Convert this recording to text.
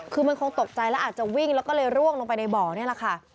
คือมันคงตกใจแล้วอาจจะวิ่งแล้วก็เลยร่วงลงไปในบ่อนี่แหละค่ะ